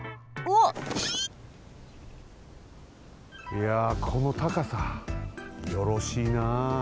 いやこのたかさよろしいな。